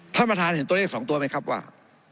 ท่านประธานเห็นตัวเลข๒ตัวไหมครับว่า